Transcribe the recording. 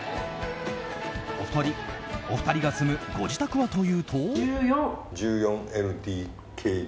お二人が住むご自宅はというと。